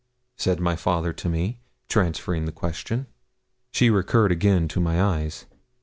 said my father to me, transferring the question. She recurred again to my eyes.